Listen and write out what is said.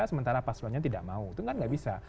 sementara paslonnya tidak mau itu kan nggak bisa